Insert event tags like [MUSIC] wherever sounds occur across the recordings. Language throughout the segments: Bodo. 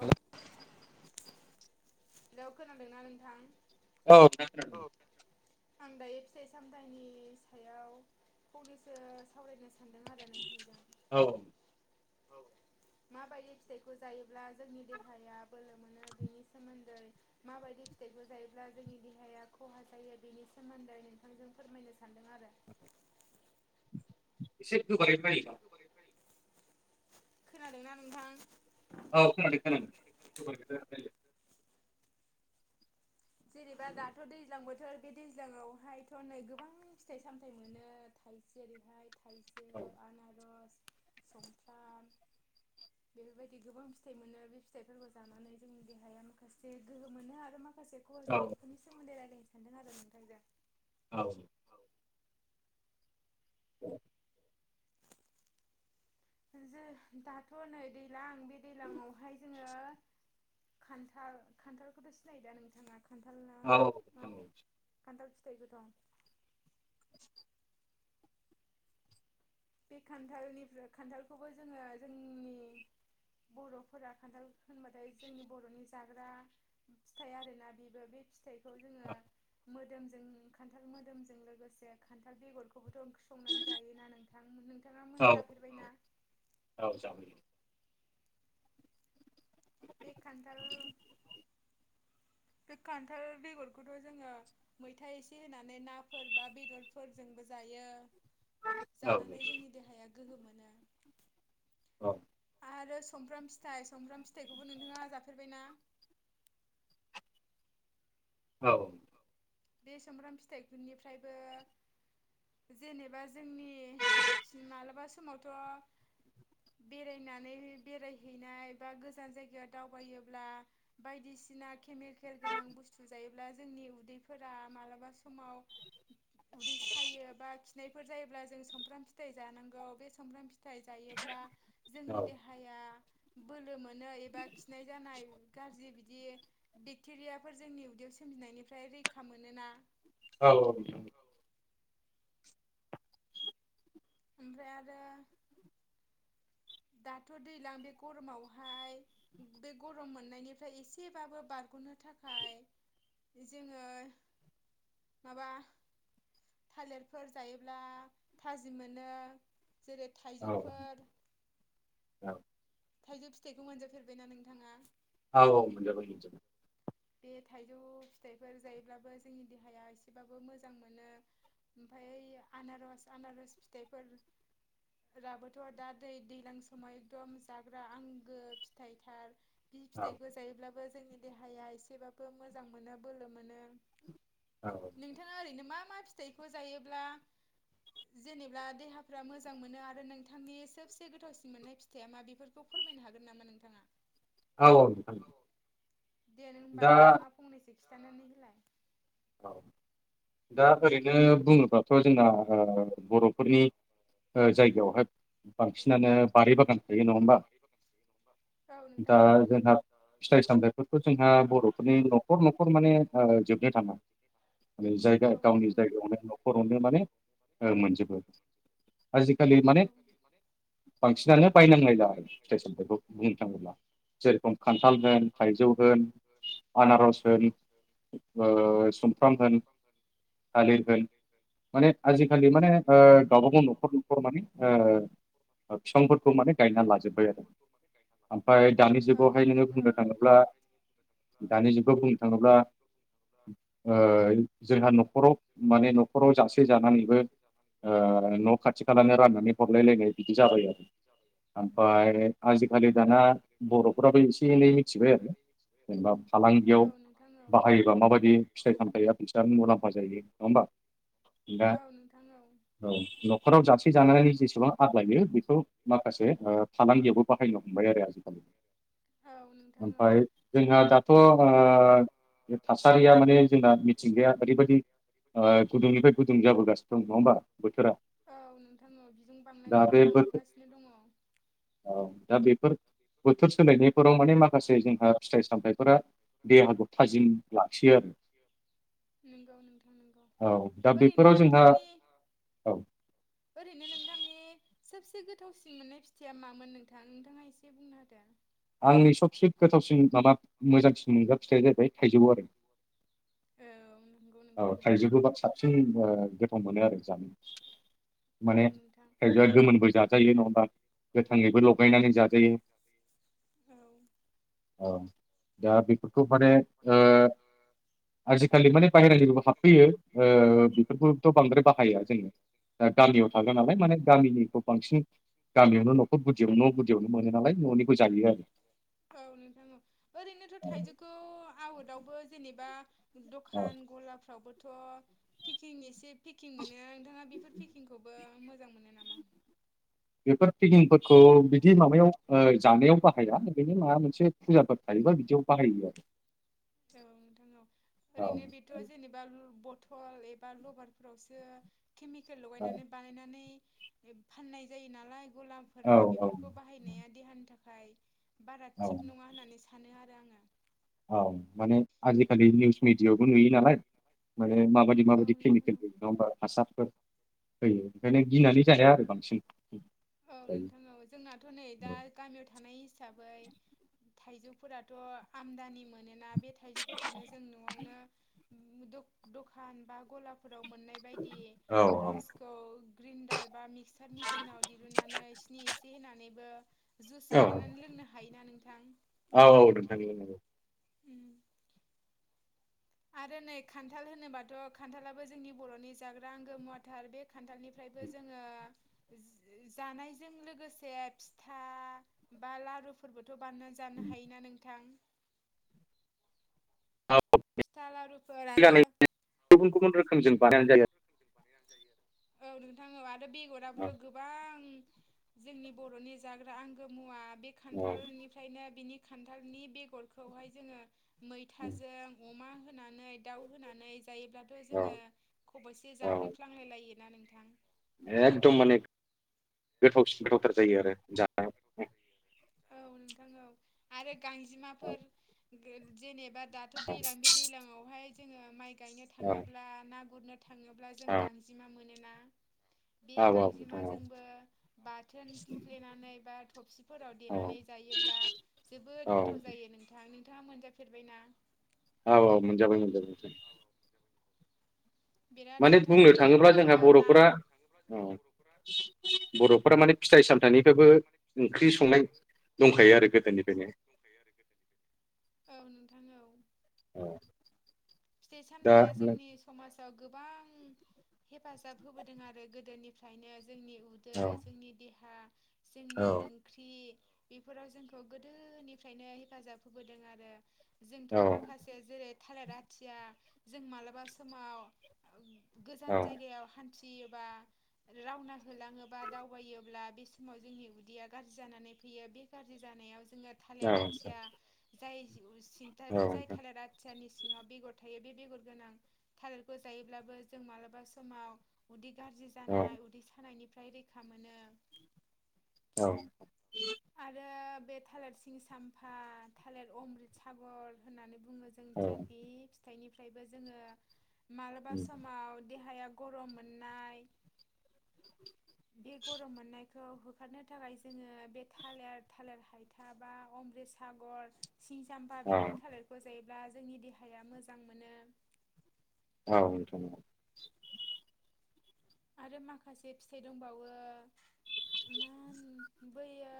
हेल हेल' खोनादोंना नोंथां औ [UNINTELLIGIBLE] आं दायो फिथाइ सामथाइनि सायाव फंनैसो सावरायनो सानदों आरो नोंथांजों औ माबायदि फिथाइखौ जायो ब्ला जोंनि देहाया बोलो मोनो बेनि सोमोन्दै माबायदि फिथाइखौ जायोब्ला जोंनि देहाया खहा जायो बेनि सोमोन्दै नोंथांजों फोरमायनो सानदों आरो एसे गोबारै रायलाय खोनादोंना नोंथां औ खोनादों खोनादों जेनेबा दाथ' दैज्लां बोथोर बे दैज्लाङावहायथ' नै गोबां फिथाइ सामथाइ मोनो जेरैहाय थाइजौ आनारस समफ्राम बेफोरबायदि गोबां फिथाइ मोनो बे फिथाइफोरखौ जानानै जोंनि देहाया माखासे गोहो मोनो आरो माखासे खहा औ जायो बेफोरनि सोमोन्दै रायलायनो सानदों आरो नोंथांजों औ औ जो दाथ' नै दैलां बे दैज्लाङावहाय जोङो ओ खान्थाल खान्थालखोथ' सिनायो दा नोंथाङा औ मा खान्थाल फिथाइबो दं बे खान्थालनिफ्राय खान्थालखौबो जोङो जोंनि बर'फोरा खान्थाल होनबाथाय जोंनि बर'नि जाग्रा फिथाइ आरोना बेबो बे फिथाइ खौ जोङो मोदोमजों खान्थाल मोदोमजों लोगोसे खान्थाल बेगरखौबोथ' ओंख्रि संनानै जायो ना औ औ ज बे खान्थाल बे खान्थाल बेगरखौथ' जोङो मैथा एसे होनानै नाफोर बा बेदरफोरजोंबो जा यो औ जानानै जोंनि देहाया गोहो मोनो औ आरो सुमफ्राम फिथाइ सुमफ्राम फिथाइखौबो नोंथाङा जाफेरबायना औ बे सामब्राम फिथाइफोरनिफ्रायबो जेनेबा जोंनि मालाबा समावथ' बेरायनानै बेरायहैनाय बा गोजान जायगायाव दावबायोब्ला बायदि -सिना केमिकेल गोनां बुस्थु जायोब्ला जोंनि उदैफोरा मालाबा समाव उदै सायो बा खिनायफोर जायोब्ला जों सुमफ्राम फिथायाइ जानांगौ बे सुमफ्राम फिथाइ जा योब्ला जोंनि नोंथां देहाया बोलो मोनो एबा खिनाय जानाय गाज्रि बिदि बेक्टेरियाफोर जोंनि उदैयाव सोम -जिनायनिफ्राय रैखा मोनोना औ औ औ ओमफ्राय आरो दाथ' दैलां बे गरमावहाय बे गरम मोननायनिफ्राय एसेबाबो बारग'नो नो थाखाय जोङो माबा थालिरफोर जायोब्ला थाजिम मोन नो जेरै औ थाइजौफोर थाइजौ फिथाइखौ मोनजाफेरबायना नोंथाङा? औ औ मोनजाबाय मोनजाबाय बे थाइजौ फिथाइफोर जायोब्लाबो जोंनि ओमफ्राय आनारस आनारस फिथाइफोर राबोथ' दा दै दैज्लां समाव एकदम जाग्रा आंगो फिथाइथार बि औ फिथाइखौ जायोब्लाबो जोंनि देहाया एसेबाबो मोजां मोनो बोलो मोनो औ नोंथाङा ओरैनो मा मा फिथाइखौ जायोब्ला जेनेब्ला देहाफ्रा मोजां मोनो आरो नोंथांनि सबसे गोथावसिन मोननाय फिथाइया मा बेफोरखौ फोरमायनो हागोन नामा नोंथाङा? औ दे होनबा दा नोंथाङा फंनैसो खिन्थानानै होलाय। औ दा ओरैनो बुङोबा थ' जोंना बर'फोरनि जायगायावहाय बांसिनानो बारि बागान थायो नङा होमबा औ [INAUDIBLE] नोंथां दा दा औ जोंहा फिथाइ सामथथायफोरखौ जोंहा बर'फोरनि न'खर न'खर माने जोबनो थाङा मे औ जायगा नोंथां औ गावनि नोंथां औ जायगायावनो न'खरावनो माने मोनजोबो आजिखालि माने बांसिनानो बायनांलायला आरो फेसल बेखौ बुंनो थाङोब्ला जेरखम खान्थाल होन थाइजौ होन आनारस होन सुमफ्राम होन थालिर होन माने आजिखालि माने गावबा गाव न'खर न'खर माने फिफांफोरखौ माने गायना लाजोबबाय आरो ओमफ्राय दानि औ जुगावहाय नोङो नोंथां बुंनो थाङोब्ला औ दानि जुगाव बुंनो थाङोब्ला जोंहा न'खराव माने न'खराव जासे जानानैबो न' खाथि खालाानो राननानै हरलाय लायनाय बिदि जाबाय आरो ओमफ्राय आ आजिखालि दाना बर'फोराबो एसे एनै मिथिबाय आरो जेनेबा फालांगियाव बा बाहायोबा माबायदि फिथाइ सामथायाइया बिसोर मुलामफ जायो नङा होमबा? औ नोंथां औ न'खराव जासे जनि जेसेबां आग्लायो बेखौ माखासे फालांगियावबो बाह हायन हमबाय आरोै आजिखालि [INAUDIBLE] नोंथां औ। ओमफ्राय जोंहा दाथ' ओ थासारिया माने जोंना मिथिंगाया ओरैबायदि ओ गुदुंनिफ्राय गुदुं जाबोगासिनो दं नङा होमबा बोथोरा दङ बिजों दा बांनायनिफ्राय बे बोथोर बांबोगासिनो दङ औ दा बेफोर बोथोर सोलायनायफोराव माने माखासे जोंहा फिथाइ सामथायाइफोरा देहाखौ थाजिम लाखियो आरो नंगौ नंगौ नंगौ औ दा ओरैनो बेफोराव जोंहा नोंथांनि औ ओरैनो नोंथांनि सबसे गोथावसिन मोननाय फिथाइया मामोन नोंथां नोंथाङा एसे बुंनो होदो आंनि सबसे गोथावसिन माबा मोजांसिन मोनगा फिथाइया जाहैबाय थाइजौ आरो औ नंगौ नोंथां औ नंगौ। थाइजौबोबा साबसिन गोथाव मोनो आरो जानो औ माने नोंथां थाइजौआ गोमोनबो जाजायो नङा होमबा थालिरबो लगायनानै जाजायो औ औ दा बेफोरखौ माने ओ [UNINTELLIGIBLE] आजिखालि माने बाहेरानिबो हाबफैयो ओ बेफोरखौथ' बांद्राय बाहाया जोङो। दा गामियाव थागोन नालाय माने गामिनिखौ बांसिन गामियावनो न'खर गुदियाव न' गुदियावनो मोनो नालाय न'नि औ नोंथां औ ओरैनोथ थाइजौखौ आउटावबो जेनेबा आरो दखान गलाफ्रावबोथ पेकिं एसे पेकिं मोनो नोंथाङा बेफोर पेकिंखौबो मोजां मोनो नामा? बेफोर फिकिंफोरखौ बिदि माबायाव ओ जानायाव बाहाया नो माबा मोनसे फुजाफोर थायो। बा बिदिआव बाहायो आरो औ नोंथां औ ओरैनो बेथ' जेनेबा बथ थल एबा लबारफोरावसो केमिकेल लगायनानै बानायनानै फाननाय जायो नालाय गलामफोरा औ औ बेफोरखौ बाहायनाया देहानि थाखाय बारा औ थिग नङा होननानै सानो आरो आं। औ माने आजिखालि निउस मिडियायावबो नुयो नालाय। ओ माबायदि औ माबायदि नोंथां केमिकेलफोर नङा औ ओमबा हासारफोर फोयो ओंखायनो गिनानै जाया आरो बांसिन। औ दायो नोंथां औ जोंनाथ' नै दा गामियाव थानाय हिस हिसाबै थाइजौफोराथ आमदानि मोनोना? बे थाइजौफोरखौनो जों नआवनो दखान बा गला फोराव मोननाय बायदि औ रसखौ ग्रिन्दार बा मिक्सार मेसिनाव होनानैबो जुस औ बानायनानै लोंनो हायो नोंथां। औ औ नोंथां [UNINTELLIGIBLE] उम आरो नै खान्थाल होनोबाथ खान्थालाबो जोंनि बर'नि जाग्रा आंगो मुवााथार बे खान्थालनिफ्राय जोङो जानायजों लोगोसे फिथा बा लारुफोरबो थ बानना जानो हायोना नोंथां? फिथा लारुफोर आरो गानै गुबुन गुबुन रोखोमजों बानायनानै जायो [UNINTELLIGIBLE] औ नोंथां औ आरो बेगराबोथ आरो। गोबां जोंनि बरनि जाग्रा आंगो मुवा बे औ खान्थालनिफ्रायनो बिनि खान्थालनि बेगरखौहाय जोङो मैथाजों। अमा होनानै दाउ होनानै जायोब्लाथ औ जोङो खबसे औ जाब्रेफ्लांलाय लायो। ना नोंथां? एकदम माने गोथावन गोथावथार जायो आरो जानाय। औ नोंथां औ आरो औ गांजेमाफोर जेनेबा बा दाथ औ दै्लां बे दैलांआवहाय जोङो माइ गायनो औ औ थाङोब्ला ना गुरनो थाङोब्ला जों गांजिमा मोनोना? बे गांजेमाजोंबो बाथोन थिफ्लेनानै बा थबसिफोराव देनानै जायोब्ला जोबोद औ गोथाव जायो नोंथां नोंथाङा मोनजाफेरबायना? औ औ मोनजाबाय मोनजाबाय। बिराद माने गोथाव बुंनो जायो थाङोब्ला आरो जोंहा ना बरफोरा बर'फोरा माने फिथाइ सामथाइनिखोबो ओंख्रि संनाय दंखायो आरो गोदोनिफ्रायनो। औ नोंथां औ औ फिथाइ दा सामथाइया जोंनि समाज ओ गोबां हेफाजाब होबोदों आरो गोदोनिफ्रायनो। जोंनि उदै औ जोंनि देहा जोंनि औ ओंख्रि बेफोराव जोंखौ गोदोनिफ्रायनो हेफाजाब होबोदों आरो जोंथ' औ माखासे जेरै थालिर आथिया जों मालाबा समाव औ गोजान जायगायाव हान थियोबा रावना होलाङोबा दावबायोब्ला बे समाव जोंनि उदैया गाज्रि जानानै फैयो बे गाज्रि जानायाव जोङो औ थालिर आाथिया जाय सिन्था औ बे जाय थालिर आथियानि सिङाव बेगर थायो बे बेगर गोनां थालिरखौ जायोब्लाबो जों मालाबा समाव उदै गाज्रि जानाय उदै सानायनिफ्राय रैखा मोनो। औ। आरो बे थालिर सिं सामफा थालिर अमृत सागर होननानै बुङो जोंथिं बे फिथाइनिफ्रायबो जोङो मालाबा समाव देहाया गरम मोननाय बे गरम मोननाय खौ होखारनो थाखाय जोङो बे थालिर थालिर हायथा बा अमृतसागर सिं जाम्बा बेफोर थालिरखौ जायोब्ला जोंनि देहाया मोजां मोनो। औ नोंथां। आरो माखासे फिथाइ दंबावो। मा बैयो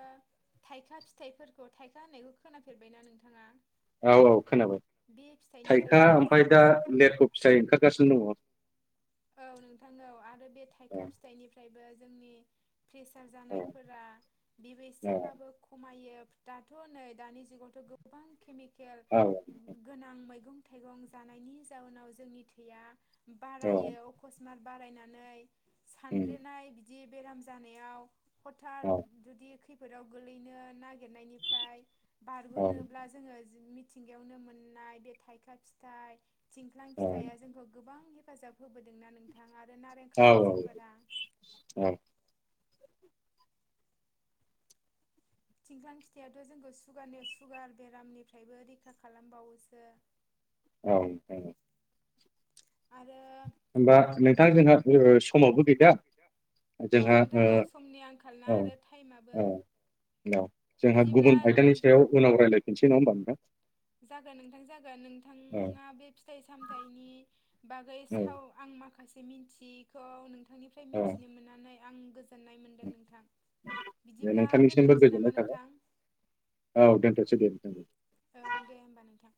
थाइखा फिथाइफोरखौ थाइखा होननायखौ खोनाफेरबायना नोंथाङा? औ औ खोनाबाय बे थाइखा फिथाइनिफ्रायबो ओमफ्राय जों दा लेरख' फिथाइ ओंखारगासिनो दङ। औ नोंथां औ आरो बे थाइखा दङ फिथाइनिफ्रायबो जोंनि प्रेसार औ जानायफोरा औ बिबैसेबाबो खमायो। दाथ' नै दानि जुगावथ' गोबां केमिकेल औ गोनां मैगं थाइगं जानायनि जाउनाव जोंनि थैया औ बारायो अकसमात बारायनानै उम सानब्रेनाय बिदि बेराम जानायाव हथात औ जुदि खैद फोराव गोगलैनो नागिरनायनिफ्राय औ बारग'नोब्ला जोङो मिथिंगायावनो मोननाय बे थाइखा फिथाइ थिनथ्लां फिथाइया जोंखौ गोबां हेफाजाब होबोदोंना नोंथां आरो नारें औ खारजिफोरा औ थिनखथ्लां फिथाइयाथ' जोंखौ सुगारनि सुगार बेरामनिफ्रायबो रैखा खालामबावोसो। औ औ। आरो होमबा नोंथां जोंहा समावबो गैया। औ नोंथां औ समनि आंखाल ना औ आरो टाइमाबो औ औ जोंहा बिदिब्ला गुबुन आयदानि सायाव उनाव रायजलायफिनसै नङा होमबा नोंथा? जागोन नोंथां जागोन नोंथाङा बे फिथाइ सामथाइनि बागै औ साव आं माखासे मिथियैखौ नोंथांनिफ्राय औ मिथिनो मोननानै आं गोस गोजोननाय मोन्दों नोंथां दे बिदिब्ला नोंथांनिसिमबो दोन्थ'नोसै गोजोननाय नामा नोंथां? औ दोनथ'सै दे। ओं दे होमबा नोंथां।